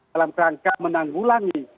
dalam rangka menanggulangi